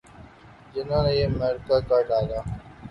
جنہوں نے یہ معرکہ کر ڈالا۔